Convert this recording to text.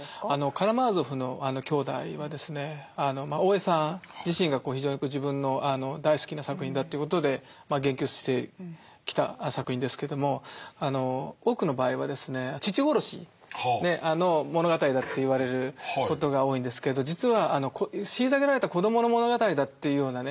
「カラマーゾフの兄弟」はですね大江さん自身が非常に自分の大好きな作品だということで言及してきた作品ですけども多くの場合はですね父殺しの物語だと言われることが多いんですけど実は虐げられた子どもの物語だっていうようなね読み方もあるわけです。